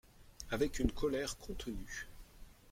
Avec une colère contenue.